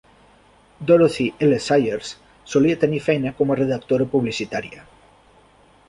Dorothy L Sayers solia tenir feina com a redactora publicitària